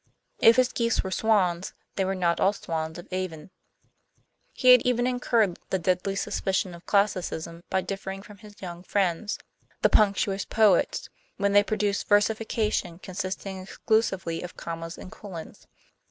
If his geese were swans, they were not all Swans of Avon. He had even incurred the deadly suspicion of classicism by differing from his young friends, the Punctuist Poets, when they produced versification consisting exclusively of commas and colons.